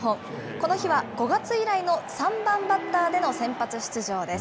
この日は５月以来の３番バッターでの先発出場です。